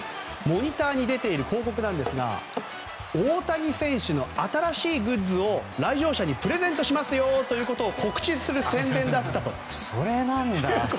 モニターに出ている広告ですが大谷選手の新しいグッズを来場者にプレゼントしますよということを告知する宣伝だったと。